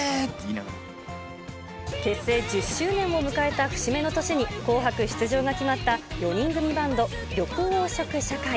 結成１０周年を迎えた節目の年に、紅白出場が決まった４人組バンド、緑黄色社会。